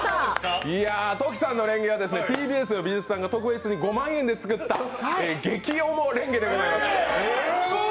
トキさんのレンゲはＴＢＳの美術さんが特別に５万円で作った激重れんげでございます。